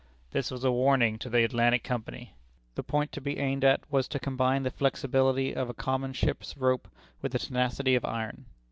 This was a warning to the Atlantic Company. The point to be aimed at was to combine the flexibility of a common ship's rope with the tenacity of iron.